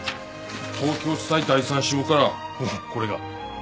東京地裁第３支部からこれが。